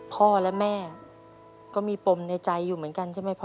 พ่อและแม่ก็มีปมในใจอยู่เหมือนกันใช่ไหมพ่อ